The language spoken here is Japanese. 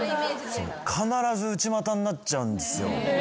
必ず内股になっちゃうんですよ。